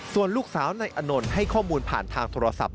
ส่วนลูกสาวนายอนนท์ให้ข้อมูลผ่านทางโทรศัพท์